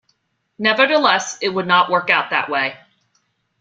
Nevertheless, it would not work out that way.